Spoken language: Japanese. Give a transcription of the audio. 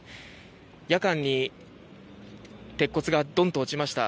夜間に鉄骨がドンと落ちました。